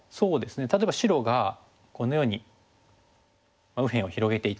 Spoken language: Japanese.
例えば白がこのように右辺を広げていって。